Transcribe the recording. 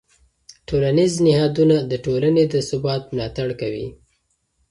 ټولنیز نهادونه د ټولنې د ثبات ملاتړ کوي.